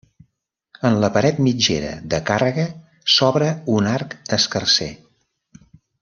En la paret mitgera de càrrega s’obre un arc escarser.